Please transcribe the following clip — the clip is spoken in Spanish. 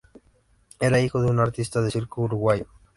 Era hijo de un artista de circo uruguayo.